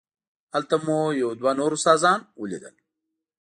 هلته مو یو دوه نور استادان ولیدل.